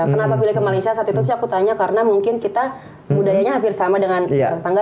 kenapa pilih ke malaysia saat itu sih aku tanya karena mungkin kita budayanya hampir sama dengan tetangga